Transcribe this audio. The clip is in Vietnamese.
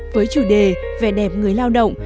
với chủ đề vẻ đẹp người lao động